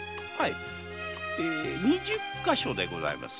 二十か所でございます。